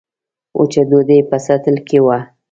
وچه ډوډۍ په سطل کې وه.